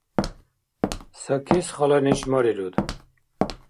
Сакис хала неш марируд